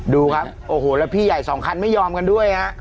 ดูครับโอ้โหแล้วพี่ใหญ่สองคันไม่ยอมกันด้วยฮะ